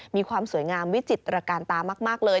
มีความสวยงามวิจิตรการตามากเลย